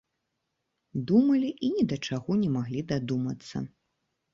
Думалі і ні да чаго не маглі дадумацца.